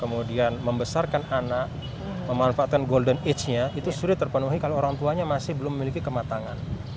kemudian membesarkan anak memanfaatkan golden age nya itu sudah terpenuhi kalau orang tuanya masih belum memiliki kematangan